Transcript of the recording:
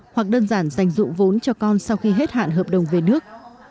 hoặc đơn giản dành dụ vốn cho con sau khi hết hạn hợp đồng về nước